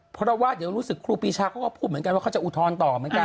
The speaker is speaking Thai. เพราะว่าเดี๋ยวรู้สึกครูปีชาเขาก็พูดเหมือนกันว่าเขาจะอุทธรณ์ต่อเหมือนกัน